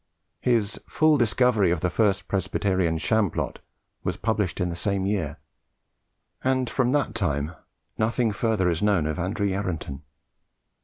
His 'Full Discovery of the First Presbyterian Sham Plot' was published in the same year; and from that time nothing further is known of Andrew Yarranton.